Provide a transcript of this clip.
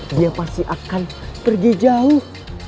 dia pasti akan pergi jauh